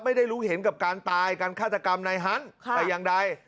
ไม่ได้รู้เห็นกับการตายการฆาตกรรมในฮันต์แต่อย่างใด